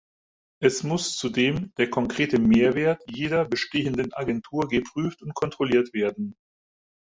Es muss zudem der konkrete Mehrwert jeder bestehenden Agentur geprüft und kontrolliert werden.